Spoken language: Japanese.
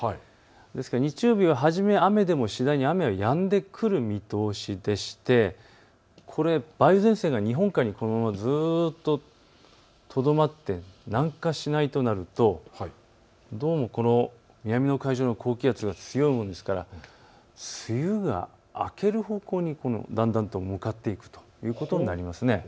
ですから日曜日は初め雨でも次第に雨はやんでくる見通しでして、これ梅雨前線がこのまま日本海にずっととどまって南下しないとなるとどうも南の海上の高気圧が強いものですから梅雨が明ける方向にだんだんと向かっていくということになります。